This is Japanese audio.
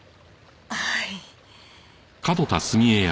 はい。